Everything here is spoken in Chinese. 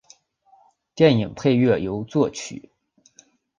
电影配乐由作曲。